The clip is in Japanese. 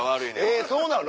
えそうなの？